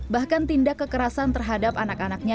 bahkan tindak kekerasan terhadap anak anaknya